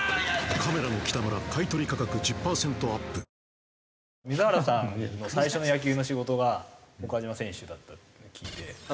ニトリ水原さんの最初の野球の仕事が岡島選手だったっていうのを聞いて。